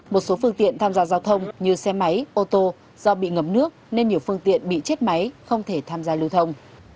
một số phương tiện tham gia giao thông như xe máy ô tô do bị ngập nước nên nhiều phương tiện bị chết máy không thể tham gia lưu thông